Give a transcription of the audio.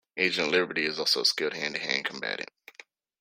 Agent Liberty is also a skilled hand-to-hand combatant.